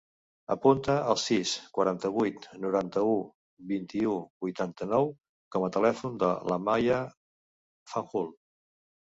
Apunta el sis, quaranta-vuit, noranta-u, vint-i-u, vuitanta-nou com a telèfon de l'Amaia Fanjul.